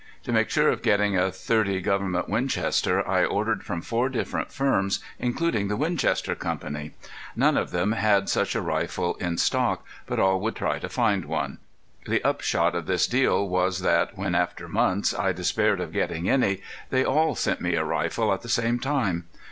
To make sure of getting a .30 Gov't Winchester I ordered from four different firms, including the Winchester Co. None of them had such a rifle in stock, but all would try to find one. The upshot of this deal was that, when after months I despaired of getting any, they all sent me a rifle at the same time.